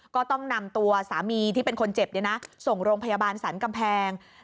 ก็ต้องนำตัวสามีที่เป็นคนเจ็บส่งโรงพยาบาลสรรกำแพง